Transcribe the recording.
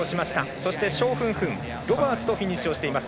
そして蒋芬芬、ロバーツとフィニッシュしています。